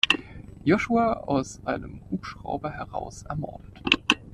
Joshua aus einem Hubschrauber heraus ermordet.